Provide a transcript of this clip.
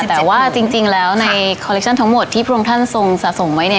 แต่ว่าจริงแล้วในคอลเคชั่นทั้งหมดที่พระองค์ท่านทรงสะสมไว้